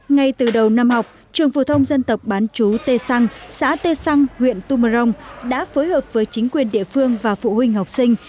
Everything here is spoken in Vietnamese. ngay từ đầu năm học trường phổ thông dân tộc bán chú tê xăng xã tê xăng huyện tumorong đã phối hợp với chính quyền địa phương và phụ huynh học sinh